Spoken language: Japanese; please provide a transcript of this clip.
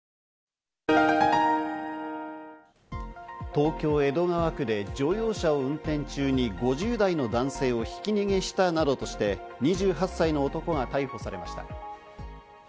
東京・江戸川区で乗用車を運転中に５０代の男性をひき逃げしたなどとして、２８歳の男が逮捕されました。